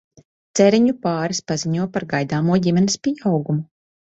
Ceriņu pāris paziņo par gaidāmo ģimenes pieaugumu.